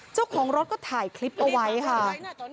เจ้าของรถก็ถ่ายคลิปเอาไว้ค่ะ